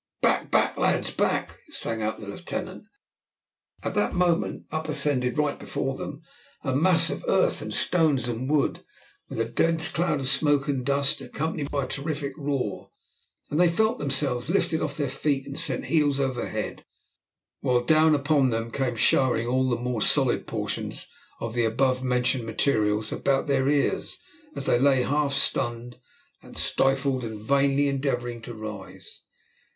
"Back, back, lads, back!" sang out the lieutenant. At that moment up ascended right before them a mass of earth and stones and wood, with a dense cloud of smoke and dust, accompanied by a terrific roar, and they felt themselves lifted off their feet and sent heels over head, while down upon them came showering all the more solid portions of the above mentioned materials about their ears, as they lay half stunned and stifled and vainly endeavouring to rise.